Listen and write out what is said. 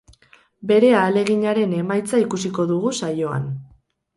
Bere ahaleginaren emaitza ikusiko dugu saioan.